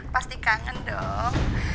pasti kangen dong